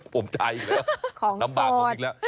ผมจ่ายอีกแล้วลำบากอีกแล้ว